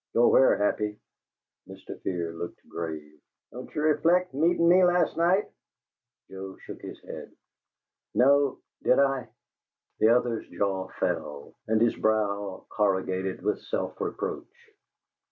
"Go where, Happy?" Mr. Fear looked grave. "Don't you rec'lect meetin' me last night?" Louden shook his head. "No. Did I?" The other's jaw fell and his brow corrugated with self reproach.